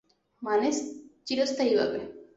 মানে, চিরস্থায়ীভাবে।